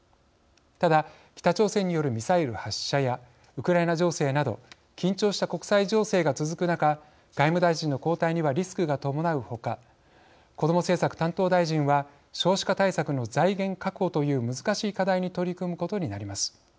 ただ北朝鮮によるミサイル発射やウクライナ情勢など緊張した国際情勢が続く中外務大臣の交代にはリスクが伴う他こども政策担当大臣は少子化対策の財源確保という難しい課題に取り組むことになります。